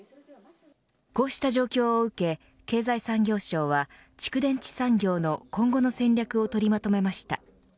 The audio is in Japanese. こうした状況を受け経済産業省は蓄電池産業の今後の戦略を取りまとめました。